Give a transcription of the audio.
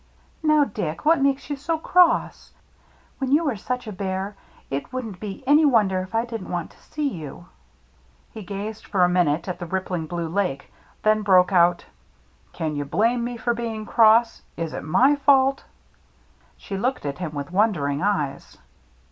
" Now, Dick, what makes you so cross ? When you are such a bear, it wouldn't be any wonder if I didn't want to see you." He gazed for a minute at the rippling blue lake, then broke out :*' Can you blame me for being cross ? Is it my fault ?" She looked at him with wondering eyes.